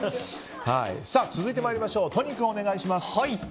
続いて、都仁君お願いします。